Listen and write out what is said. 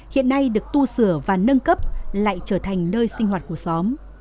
hiện nay được tu sửa và nâng cấp lại trở thành nơi sinh hoạt của xóm